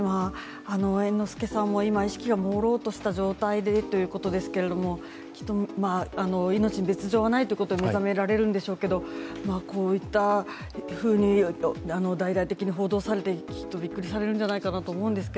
猿之助さんも今、意識がもうろうとした状態でということですけれども命に別状はないということは申し上げられるんでしょうけどこういったふうに大々的に報道されて、きっとびっくりされてるんじゃないかなと思います。